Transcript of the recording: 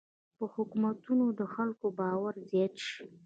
په حکومتونو د خلکو باور زیات شي.